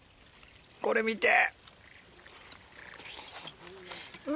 これ見て。